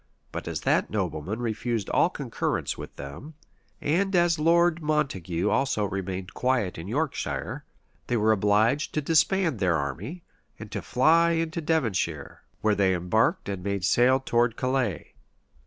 But as that nobleman refused all concurrence with them, and as Lord Montague also remained quiet in Yorkshire, they were obliged to disband their army, and to fly into Devonshire, where they embarked and made sail towards Calais.